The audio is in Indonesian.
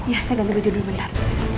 ya saya ganti baju dulu benar